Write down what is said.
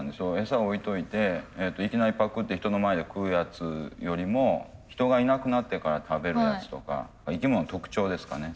餌置いといていきなりパクッて人の前で食うやつよりも人がいなくなってから食べるやつとか生き物の特徴ですかね